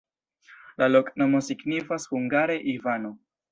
La loknomo signifas hungare: Ivano.